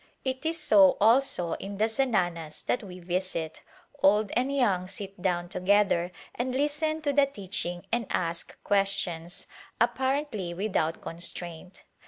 It is so also in the zananas that we visit; old and young sit down together and listen to the teaching and ask questions, apparently without con straint.